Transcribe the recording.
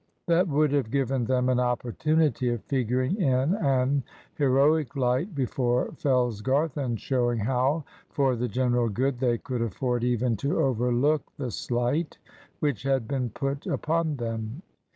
That would have given them an opportunity of figuring in an heroic light before Fellsgarth, and showing how, for the general good, they could afford even to overlook the slight which had been put upon them.